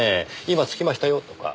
今着きましたよとか。